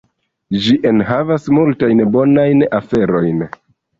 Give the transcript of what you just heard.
Ĝi enhavas multajn bonajn aferojn.